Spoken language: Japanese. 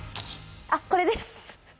あっこれです